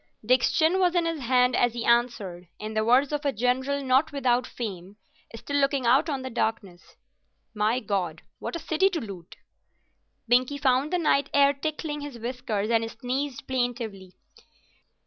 Dick's chin was in his hand as he answered, in the words of a general not without fame, still looking out on the darkness—"'My God, what a city to loot!'" Binkie found the night air tickling his whiskers and sneezed plaintively.